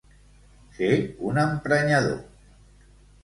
Ser un emprenyador.